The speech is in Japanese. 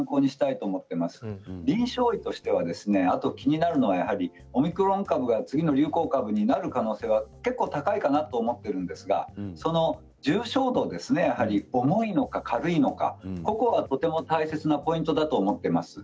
臨床医としては気になるのはオミクロン株が次の流行株になる可能性は高いかなと思っているんですがその重症度ですね重いのか軽いのかここはとても大切なポイントです。